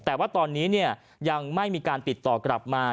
แต่ว่าตอนนี้ยังไม่มีการติดต่อกลับมา